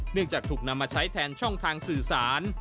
จากถูกนำมาใช้แทนช่องทางสื่อสาร